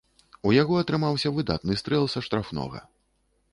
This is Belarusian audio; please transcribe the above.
У яго атрымаўся выдатны стрэл са штрафнога.